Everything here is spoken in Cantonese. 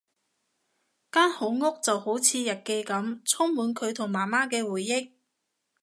間好屋就好似日記噉，充滿佢同媽媽嘅回憶